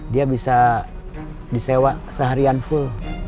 dia bisa disewa seharian full